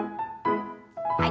はい。